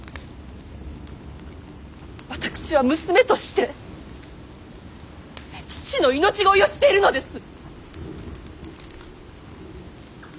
私は娘として父の命乞いをしているのです。